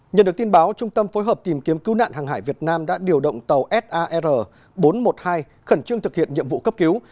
nhận được tin báo trung tâm phối hợp tìm kiếm cứu nạn hàng hải việt nam đã điều động tàu sar bốn trăm một mươi hai khẩn trương thực hiện nhiệm vụ cấp cứu